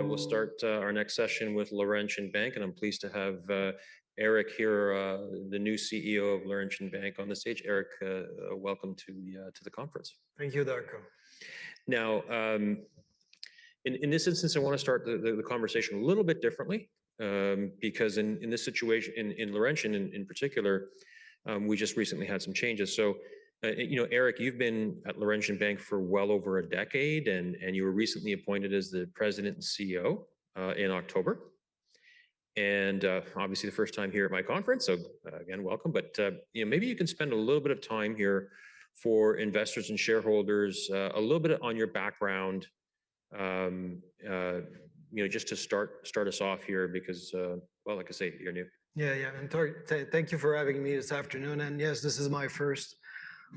We'll start our next session with Laurentian Bank, and I'm pleased to have Éric here, the new CEO of Laurentian Bank on the stage. Éric, welcome to the conference. Thank you, Darko. Now, in this instance, I wanna start the conversation a little bit differently. Because in this situation, in Laurentian in particular, we just recently had some changes. So, you know, Éric, you've been at Laurentian Bank for well over a decade, and you were recently appointed as the President and CEO, in October. And, obviously the first time here at my conference, so, again, welcome. But, you know, maybe you can spend a little bit of time here for investors and shareholders, a little bit on your background. You know, just to start us off here because, well, like I say, you're new. Yeah, yeah. Thank you for having me this afternoon. Yes, this is my first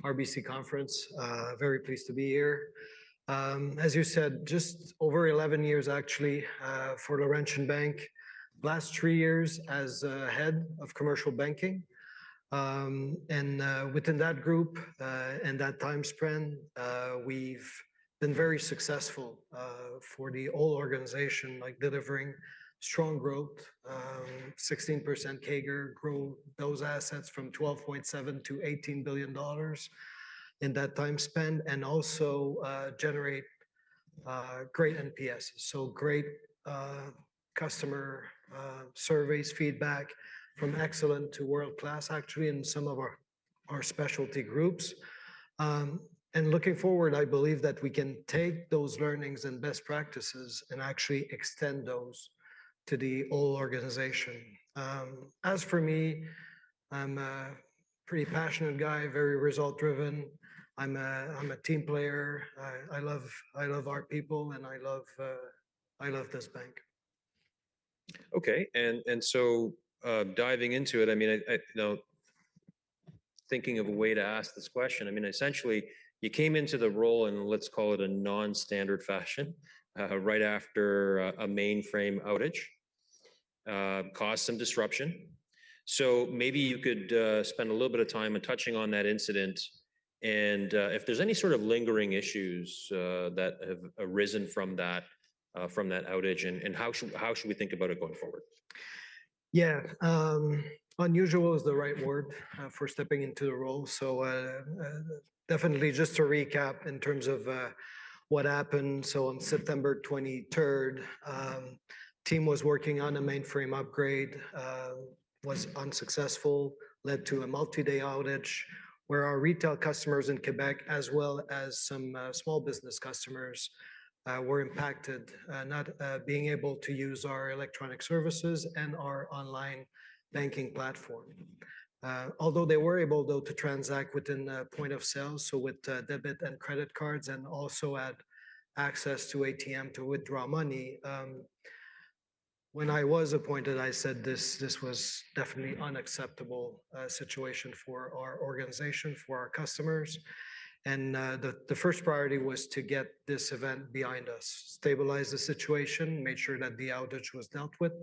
RBC conference. Very pleased to be here. As you said, just over 11 years actually for Laurentian Bank. Last three years as head of commercial banking. Within that group and that time span, we've been very successful for the whole organization, like delivering strong growth, 16% CAGR, grew those assets from $12.7 billion-$18 billion in that time span, and also generate great NPSs. Great customer surveys feedback from excellent to world-class, actually, in some of our specialty groups. Looking forward, I believe that we can take those learnings and best practices and actually extend those to the whole organization. As for me, I'm a pretty passionate guy, very result-driven. I'm a team player. I love our people, and I love this bank. Okay. So, diving into it, I mean, you know, thinking of a way to ask this question. I mean, essentially, you came into the role in, let's call it, a non-standard fashion, right after a mainframe outage caused some disruption. So maybe you could spend a little bit of time in touching on that incident and if there's any sort of lingering issues that have arisen from that outage, and how should we think about it going forward? Yeah. Unusual is the right word for stepping into the role. So, definitely, just to recap in terms of what happened. So on September 23rd, team was working on a mainframe upgrade, was unsuccessful, led to a multi-day outage, where our retail customers in Québec, as well as some small business customers, were impacted, not being able to use our electronic services and our online banking platform. Although they were able, though, to transact within point of sale, so with debit and credit cards, and also had access to ATM to withdraw money. When I was appointed, I said this, this was definitely unacceptable situation for our organization, for our customers. The first priority was to get this event behind us, stabilize the situation, make sure that the outage was dealt with,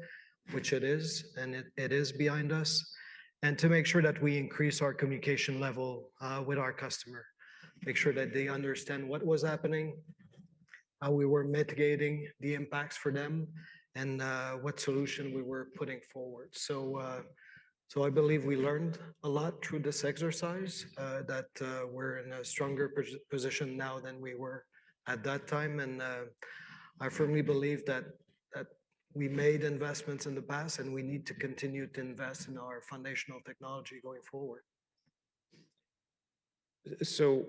which it is, and it is behind us, and to make sure that we increase our communication level with our customer. Make sure that they understand what was happening, how we were mitigating the impacts for them, and what solution we were putting forward. So, I believe we learned a lot through this exercise, that we're in a stronger position now than we were at that time. I firmly believe that we made investments in the past, and we need to continue to invest in our foundational technology going forward. So,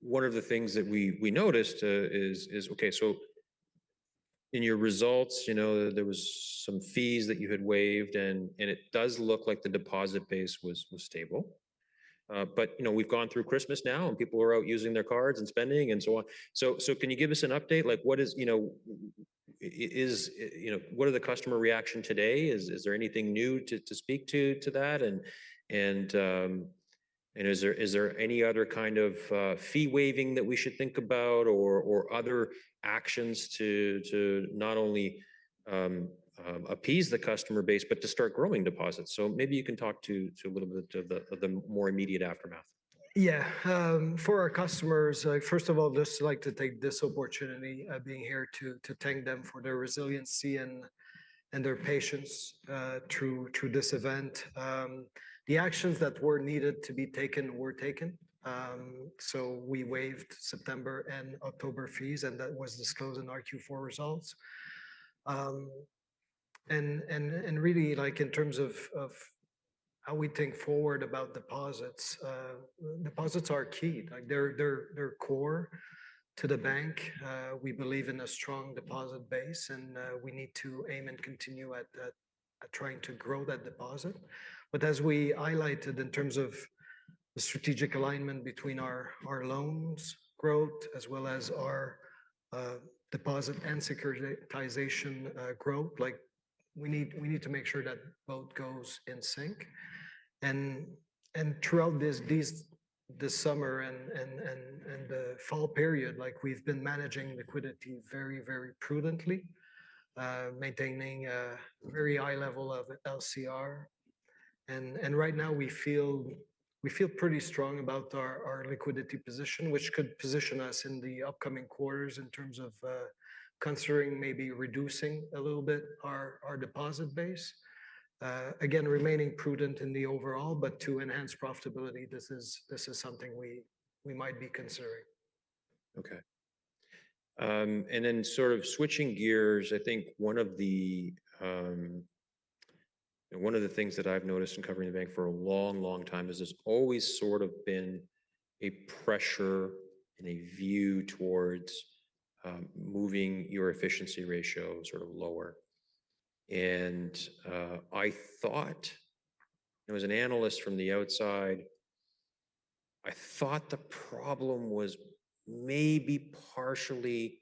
one of the things that we noticed is, okay, so in your results, you know, there was some fees that you had waived, and it does look like the deposit base was stable. But, you know, we've gone through Christmas now, and people are out using their cards and spending and so on. So, can you give us an update? Like, what is, you know, is, you know... What are the customer reaction today? Is there anything new to speak to that? And, is there any other kind of fee waiving that we should think about or other actions to not only appease the customer base but to start growing deposits? Maybe you can talk to a little bit of the more immediate aftermath. Yeah. For our customers, first of all, just like to take this opportunity of being here to thank them for their resiliency and their patience through this event. The actions that were needed to be taken were taken. So we waived September and October fees, and that was disclosed in our Q4 results. And really, like, in terms of how we think forward about deposits, deposits are key. Like, they're core to the bank. We believe in a strong deposit base, and we need to aim and continue at that, trying to grow that deposit. But as we highlighted in terms of the strategic alignment between our loans growth, as well as our deposit and securitization growth, like, we need to make sure that both goes in sync. And throughout this summer and fall period, like, we've been managing liquidity very prudently, maintaining a very high level of LCR and right now we feel pretty strong about our liquidity position, which could position us in the upcoming quarters in terms of considering maybe reducing a little bit our deposit base. Again, remaining prudent in the overall, but to enhance profitability, this is something we might be considering. Okay. And then sort of switching gears, I think one of the things that I've noticed in covering the bank for a long, long time, is there's always sort of been a pressure and a view towards moving your efficiency ratio sort of lower. And I thought, as an analyst from the outside, I thought the problem was maybe partially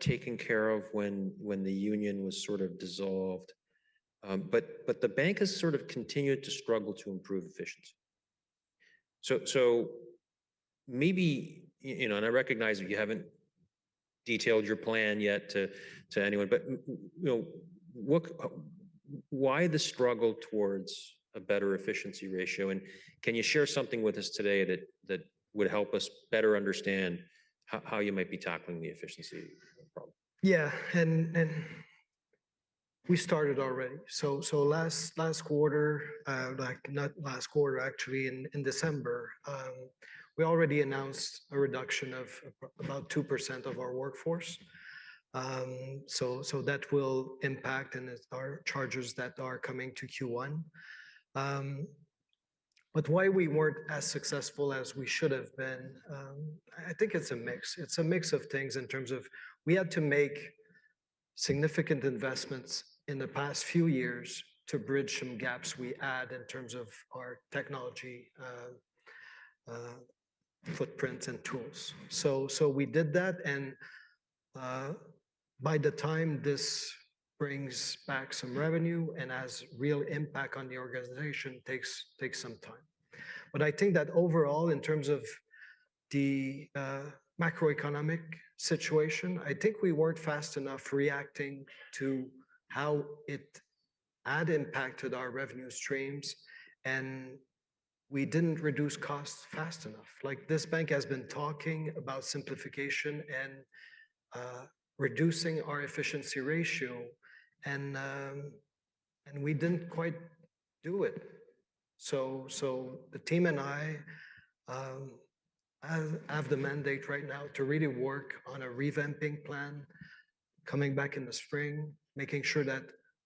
taken care of when the union was sort of dissolved. But the bank has sort of continued to struggle to improve efficiency. So maybe, you know, and I recognize that you haven't detailed your plan yet to anyone, but you know, what, why the struggle towards a better efficiency ratio? Can you share something with us today that would help us better understand how you might be tackling the efficiency problem? Yeah. And we started already. So last quarter, like, not last quarter, actually, in December, we already announced a reduction of about 2% of our workforce. So that will impact and as our charges that are coming to Q1. But why we weren't as successful as we should have been, I think it's a mix. It's a mix of things in terms of we had to make significant investments in the past few years to bridge some gaps we had in terms of our technology footprint and tools. So we did that, and by the time this brings back some revenue and has real impact on the organization, takes some time. But I think that overall, in terms of the macroeconomic situation, I think we weren't fast enough reacting to how it had impacted our revenue streams, and we didn't reduce costs fast enough. Like, this bank has been talking about simplification and reducing our efficiency ratio, and we didn't quite do it. So the team and I have the mandate right now to really work on a revamping plan coming back in the spring, making sure that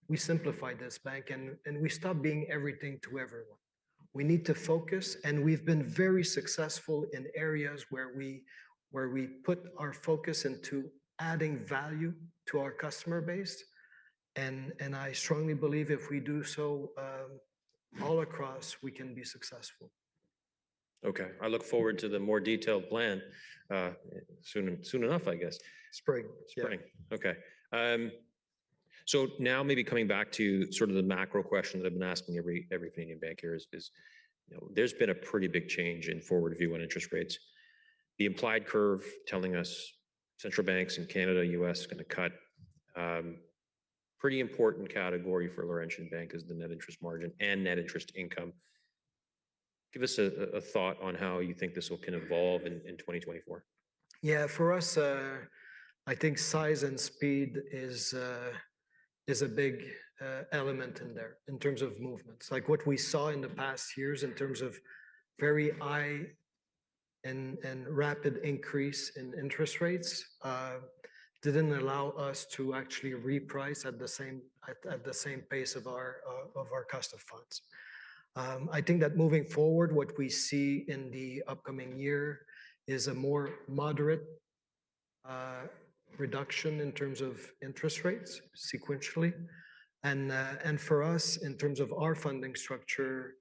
we simplify this bank and we stop being everything to everyone. We need to focus, and we've been very successful in areas where we put our focus into adding value to our customer base, and I strongly believe if we do so all across, we can be successful. Okay. I look forward to the more detailed plan, soon, soon enough, I guess. Spring. Spring. Okay. So now maybe coming back to sort of the macro question that I've been asking every Canadian banker is, you know, there's been a pretty big change in forward view on interest rates. The implied curve telling us central banks in Canada, U.S., is gonna cut. Pretty important category for Laurentian Bank is the net interest margin and net interest income. Give us a thought on how you think this will, can evolve in 2024. Yeah. For us, I think size and speed is a big element in there in terms of movements. Like, what we saw in the past years in terms of very high and rapid increase in interest rates didn't allow us to actually reprice at the same pace of our cost of funds. I think that moving forward, what we see in the upcoming year is a more moderate reduction in terms of interest rates sequentially. And for us, in terms of our funding structure,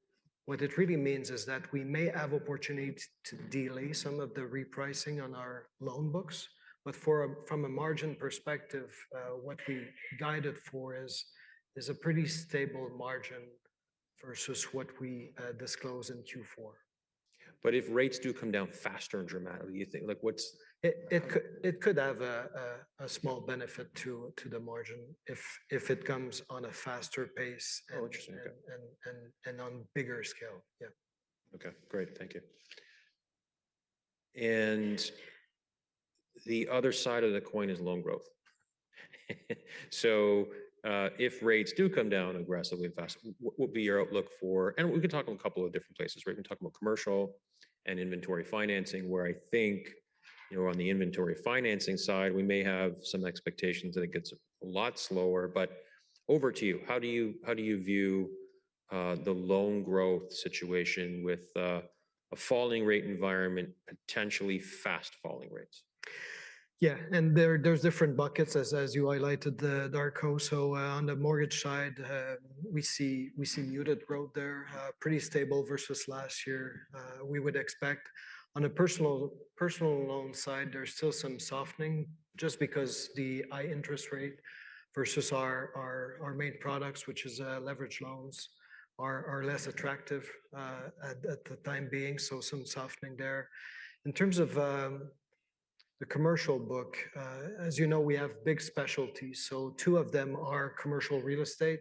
what it really means is that we may have opportunity to delay some of the repricing on our loan books. But from a margin perspective, what we guided for is a pretty stable margin versus what we disclosed in Q4. If rates do come down faster and dramatically, you think, like, what's- It could have a small benefit to the margin if it comes on a faster pace and- Oh, interesting. Okay.... and on bigger scale. Yeah. Okay, great. Thank you. And the other side of the coin is loan growth. So, if rates do come down aggressively and fast, what would be your outlook for... And we can talk on a couple of different places. We can talk about commercial and inventory financing, where I think, you know, on the inventory financing side, we may have some expectations that it gets a lot slower. But over to you, how do you view the loan growth situation with a falling rate environment, potentially fast falling rates? Yeah, and there, there's different buckets, as you highlighted there, Darko. So, on the mortgage side, we see muted growth there, pretty stable versus last year. We would expect on a personal loan side, there's still some softening just because the high interest rate versus our main products, which is leveraged loans, are less attractive at the time being, so some softening there. In terms of the commercial book, as you know, we have big specialties. So two of them are commercial real estate,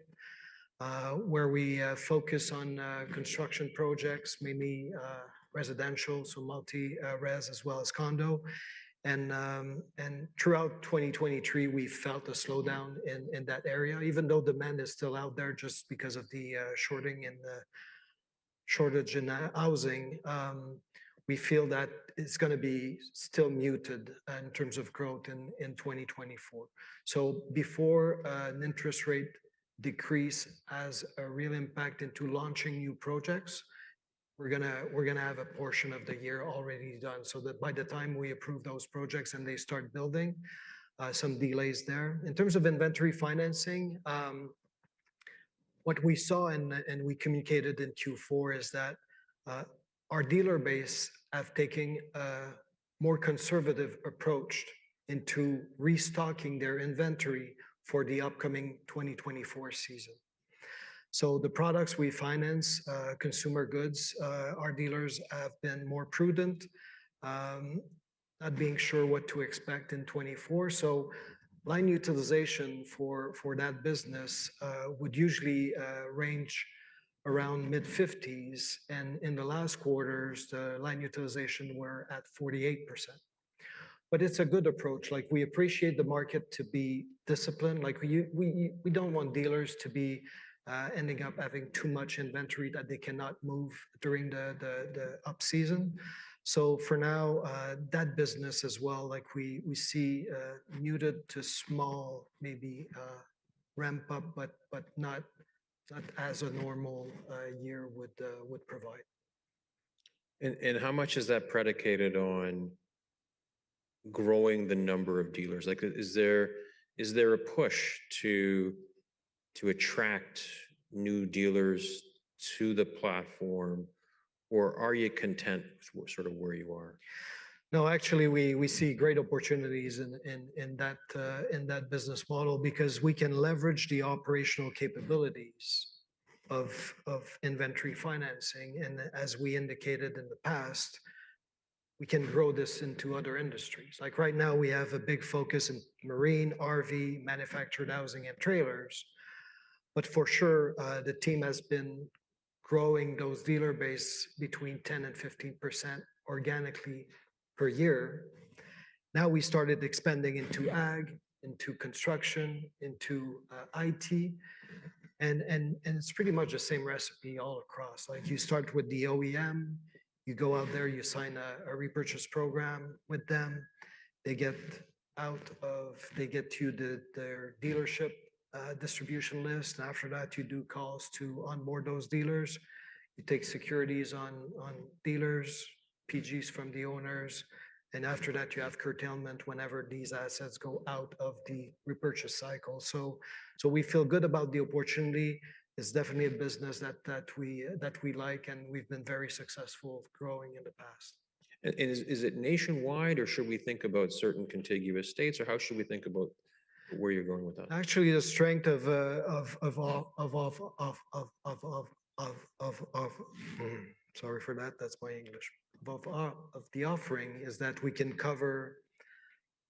where we focus on construction projects, mainly residential, so multi-res, as well as condo. And throughout 2023, we felt a slowdown in that area. Even though demand is still out there, just because of the shortage in housing, we feel that it's gonna be still muted in terms of growth in 2024. So before an interest rate decrease has a real impact into launching new projects, we're gonna have a portion of the year already done, so that by the time we approve those projects and they start building, some delays there. In terms of inventory financing, what we saw and we communicated in Q4 is that our dealer base have taking a more conservative approach into restocking their inventory for the upcoming 2024 season. So the products we finance, consumer goods, our dealers have been more prudent, not being sure what to expect in 2024. So line utilization for that business would usually range around mid-50s, and in the last quarters, the line utilization were at 48%. But it's a good approach. Like, we appreciate the market to be disciplined. Like, we don't want dealers to be ending up having too much inventory that they cannot move during the up season. So for now, that business as well, like we see muted to small, maybe a ramp-up, but not as a normal year would provide. And how much is that predicated on growing the number of dealers? Like, is there a push to attract new dealers to the platform, or are you content sort of where you are? No, actually, we see great opportunities in that business model because we can leverage the operational capabilities of inventory financing. As we indicated in the past, we can grow this into other industries. Like right now, we have a big focus in marine, RV, manufactured housing, and trailers. But for sure, the team has been growing those dealer base between 10% and 15% organically per year. Now, we started expanding into ag, into construction, into IT, and it's pretty much the same recipe all across. Like, you start with the OEM, you go out there, you sign a repurchase program with them. They get you their dealership distribution list. After that, you do calls to onboard those dealers. You take securities on dealers, PGs from the owners, and after that, you have curtailment whenever these assets go out of the repurchase cycle. So we feel good about the opportunity. It's definitely a business that we like, and we've been very successful of growing in the past. And is it nationwide, or should we think about certain contiguous states, or how should we think about where you're going with that? Actually, the strength of, sorry for that, that's my English, the offering is that we can cover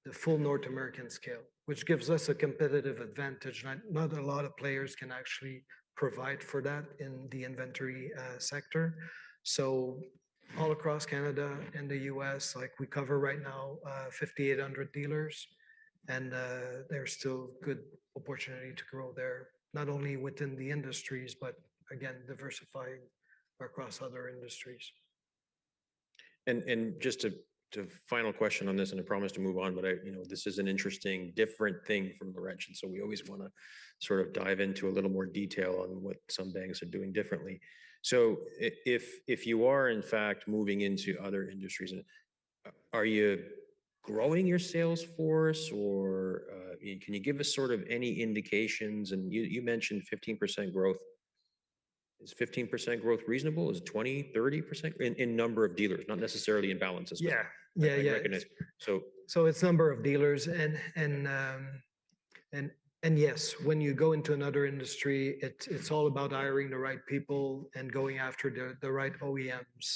the full North American scale, which gives us a competitive advantage, and not a lot of players can actually provide for that in the inventory sector. So all across Canada and the US, like we cover right now, 5,800 dealers, and there's still good opportunity to grow there, not only within the industries, but again, diversifying across other industries. Just final question on this, and I promise to move on, but... You know, this is an interesting, different thing from Laurentian, so we always wanna sort of dive into a little more detail on what some banks are doing differently. So if, if you are, in fact, moving into other industries, are you growing your sales force, or can you give us sort of any indications? And you mentioned 15% growth. Is 15% growth reasonable, or is it 20, 30% in number of dealers, not necessarily in balance as well? Yeah. Yeah, yeah. I recognize. So- It's number of dealers. Yes, when you go into another industry, it's all about hiring the right people and going after the right OEMs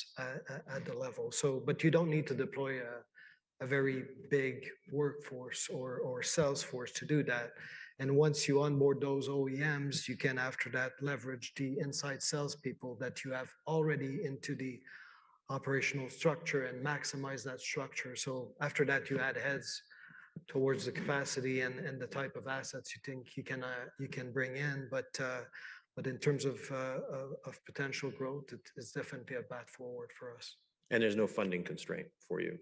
at the level. But you don't need to deploy a very big workforce or sales force to do that. And once you onboard those OEMs, you can after that leverage the inside salespeople that you have already into the operational structure and maximize that structure. So after that, you add heads towards the capacity and the type of assets you think you can bring in. But in terms of potential growth, it is definitely a path forward for us. There's no funding constraint for you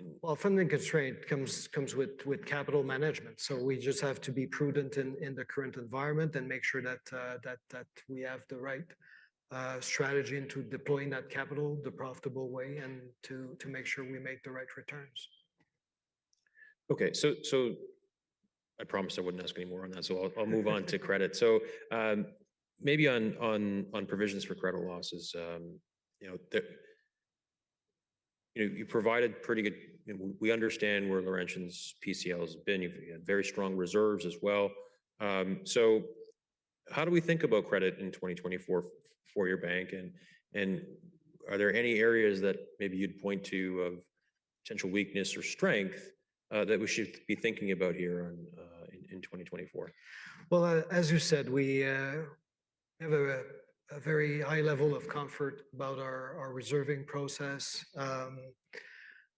in- Well, funding constraint comes with capital management. Yeah. So we just have to be prudent in the current environment and make sure that we have the right strategy into deploying that capital the profitable way and to make sure we make the right returns. Okay, so I promised I wouldn't ask any more on that, so I'll move on to credit. So, maybe on provisions for credit losses, you know, You know, you provided pretty good. We understand where Laurentian's PCL has been. You've had very strong reserves as well. How do we think about credit in 2024 for your bank? And are there any areas that maybe you'd point to of potential weakness or strength, that we should be thinking about here in 2024? Well, as you said, we have a very high level of comfort about our reserving process.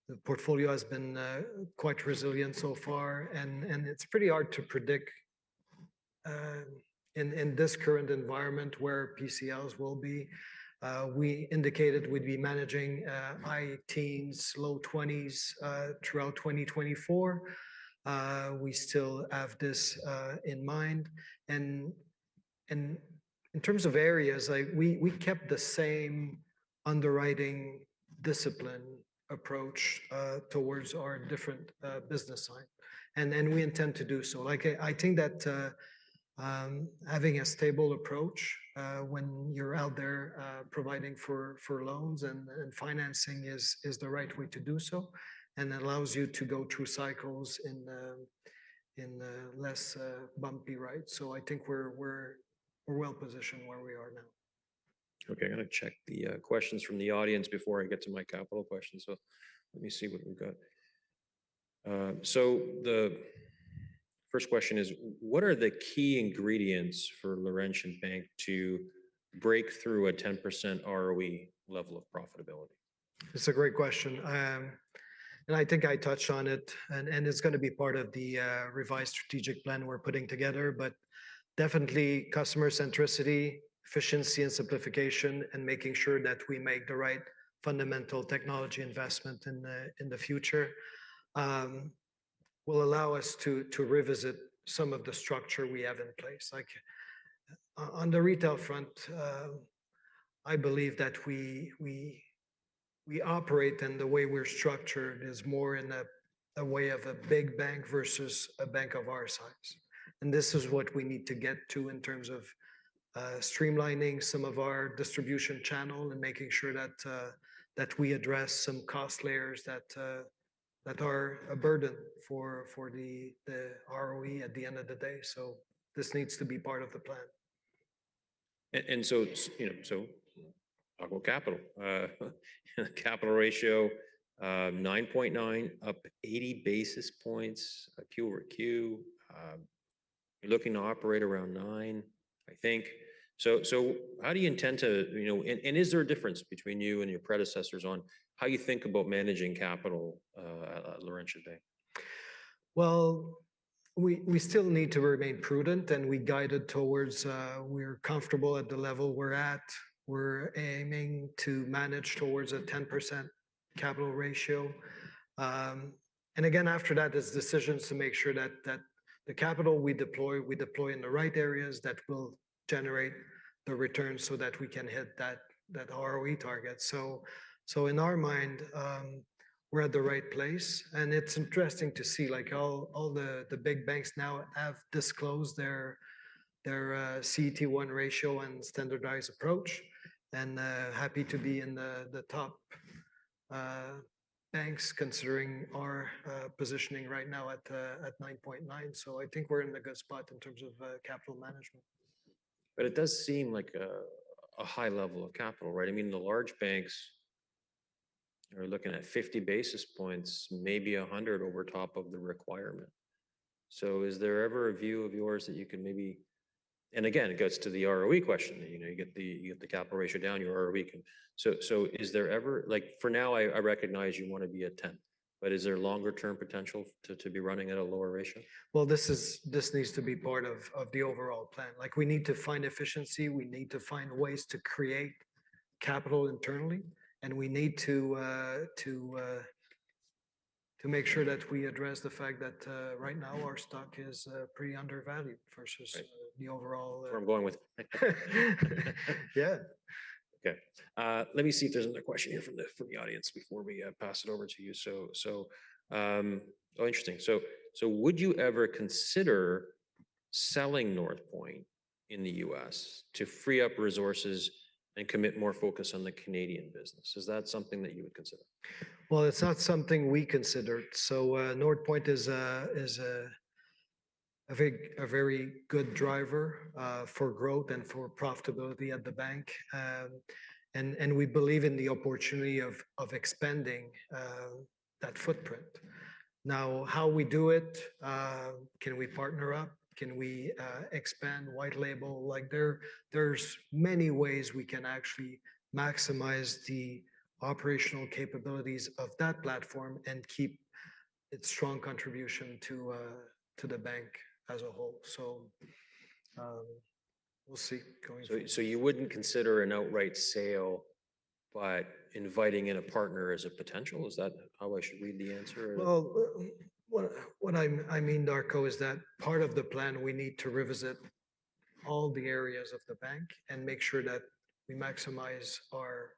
The portfolio has been quite resilient so far, and it's pretty hard to predict in this current environment where PCLs will be. We indicated we'd be managing high teens, low twenties throughout 2024. We still have this in mind, and in terms of areas, like we kept the same underwriting discipline approach towards our different business line, and we intend to do so. Like I think that having a stable approach when you're out there providing for loans and financing is the right way to do so and allows you to go through cycles in a less bumpy ride. I think we're well-positioned where we are now. Okay, I'm gonna check the questions from the audience before I get to my capital questions. So let me see what we've got. So the first question is: What are the key ingredients for Laurentian Bank to break through a 10% ROE level of profitability? It's a great question. And I think I touched on it, and it's gonna be part of the revised strategic plan we're putting together. But definitely customer centricity, efficiency, and simplification, and making sure that we make the right fundamental technology investment in the future will allow us to revisit some of the structure we have in place. Like on the retail front, I believe that we operate and the way we're structured is more in a way of a big bank versus a bank of our size. And this is what we need to get to in terms of streamlining some of our distribution channel and making sure that we address some cost layers that are a burden for the ROE at the end of the day. This needs to be part of the plan. And so, you know, so talk about capital. Capital ratio, 9.9, up 80 basis points, QoQ. You're looking to operate around 9, I think. So, how do you intend to, you know... And is there a difference between you and your predecessors on how you think about managing capital, at Laurentian Bank? Well, we, we still need to remain prudent, and we guided towards. We're comfortable at the level we're at. We're aiming to manage towards a 10% capital ratio. And again, after that, there's decisions to make sure that, that the capital we deploy, we deploy in the right areas that will generate the returns so that we can hit that, that ROE target. So, so in our mind, we're at the right place, and it's interesting to see, like, all, all the, the big banks now have disclosed their, their CET1 ratio and Standardized Approach, and happy to be in the, the top banks, considering our positioning right now at at 9.9. So I think we're in a good spot in terms of capital management. But it does seem like a high level of capital, right? I mean, the large banks are looking at 50 basis points, maybe 100 over top of the requirement. So is there ever a view of yours that you can maybe—And again, it goes to the ROE question. You know, you get the capital ratio down, your ROE can... So is there ever, like, for now, I recognize you wanna be at 10, but is there longer-term potential to be running at a lower ratio? Well, this needs to be part of the overall plan. Like, we need to find efficiency, we need to find ways to create capital internally, and we need to make sure that we address the fact that, right now, our stock is pretty undervalued versus- Right ... the overall- That's where I'm going with. Yeah. Okay, let me see if there's another question here from the audience before we pass it over to you. Oh, interesting. Would you ever consider selling Northpoint in the U.S. to free up resources and commit more focus on the Canadian business? Is that something that you would consider? Well, it's not something we considered. So, Northpoint is a big, very good driver for growth and for profitability at the bank. And we believe in the opportunity of expanding that footprint. Now, how we do it, can we partner up? Can we expand white label? Like, there's many ways we can actually maximize the operational capabilities of that platform and keep its strong contribution to the bank as a whole. So, we'll see going forward. So, you wouldn't consider an outright sale, but inviting in a partner is a potential? Is that how I should read the answer or...? Well, what I'm, I mean, Darko, is that part of the plan, we need to revisit all the areas of the bank and make sure that we maximize our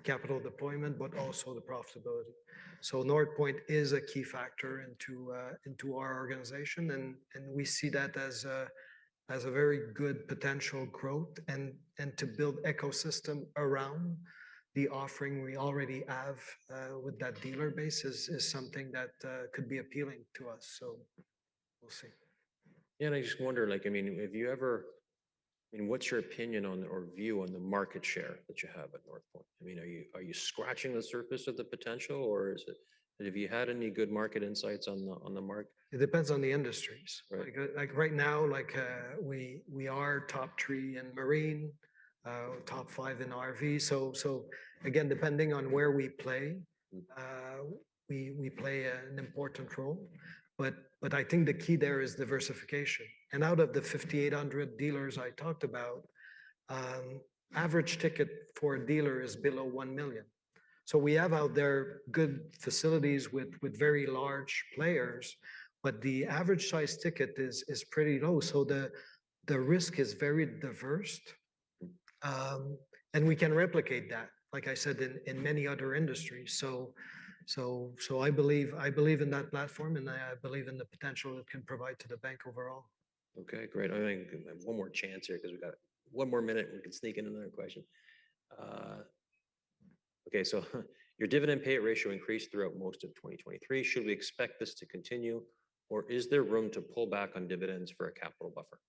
capital deployment, but also the profitability. So Northpoint is a key factor into our organization, and we see that as a very good potential growth. And to build ecosystem around the offering we already have with that dealer base is something that could be appealing to us. So we'll see. Yeah, and I just wonder, like, I mean, have you ever... I mean, what's your opinion on, or view on, the market share that you have at Northpoint? I mean, are you, are you scratching the surface of the potential, or is it... Have you had any good market insights on the, on the market? It depends on the industries. Right. Like, like right now, like, we are top three in marine, top five in RV. So, so again, depending on where we play, we play an important role. But, but I think the key there is diversification. And out of the 5,800 dealers I talked about, average ticket for a dealer is below $1 million. So we have out there, good facilities with very large players, but the average size ticket is pretty low, so the risk is very diverse. And we can replicate that, like I said, in many other industries. So, so, so I believe in that platform, and I believe in the potential it can provide to the bank overall. Okay, great. I think we have one more chance here, 'cause we got one more minute, we can sneak in another question. Okay, so your dividend payout ratio increased throughout most of 2023. Should we expect this to continue, or is there room to pull back on dividends for a capital buffer?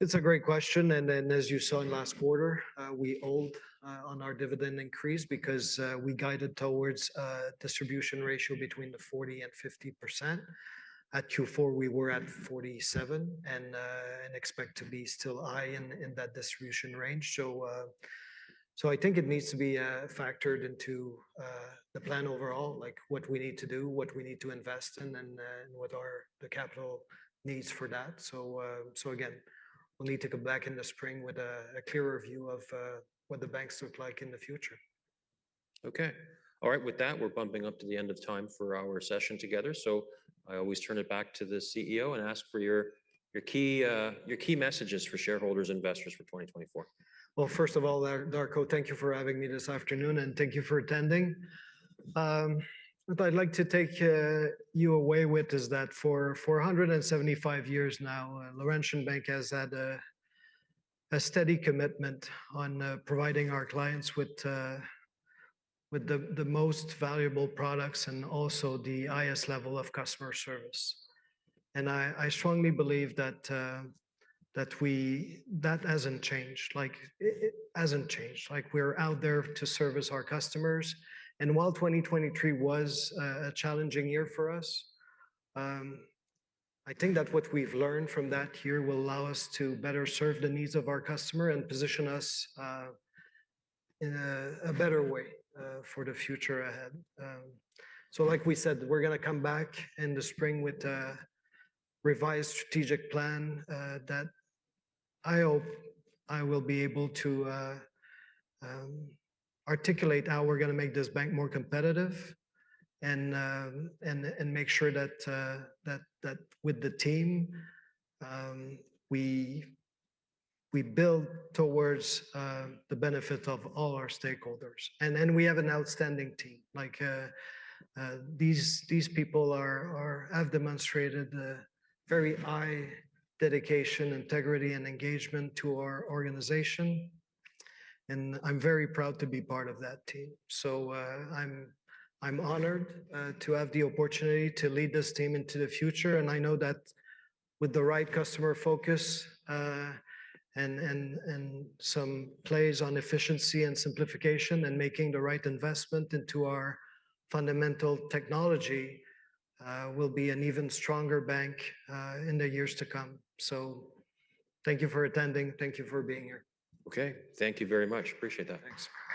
It's a great question, and then, as you saw in last quarter, we hold on our dividend increase because we guided towards a distribution ratio between the 40% and 50%. At Q4, we were at 47%, and expect to be still high in that distribution range. So, I think it needs to be factored into the plan overall, like what we need to do, what we need to invest in, and then, what are the capital needs for that. So, again, we'll need to come back in the spring with a clearer view of what the banks look like in the future. Okay. All right, with that, we're bumping up to the end of time for our session together. So I always turn it back to the CEO and ask for your, your key messages for shareholders and investors for 2024. Well, first of all, Darko, thank you for having me this afternoon, and thank you for attending. What I'd like to take you away with is that for 175 years now, Laurentian Bank has had a steady commitment on providing our clients with the most valuable products and also the highest level of customer service. And I strongly believe that that hasn't changed. Like, it hasn't changed. Like, we're out there to service our customers. And while 2023 was a challenging year for us, I think that what we've learned from that year will allow us to better serve the needs of our customer and position us in a better way for the future ahead. So like we said, we're gonna come back in the spring with a revised strategic plan that I hope I will be able to articulate how we're gonna make this bank more competitive, and make sure that with the team we build towards the benefit of all our stakeholders. Then we have an outstanding team. Like, these people have demonstrated a very high dedication, integrity, and engagement to our organization, and I'm very proud to be part of that team. So, I'm honored to have the opportunity to lead this team into the future, and I know that with the right customer focus, and some plays on efficiency and simplification, and making the right investment into our fundamental technology, we'll be an even stronger bank in the years to come. So thank you for attending. Thank you for being here. Okay. Thank you very much. Appreciate that. Thanks.